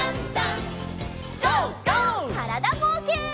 からだぼうけん。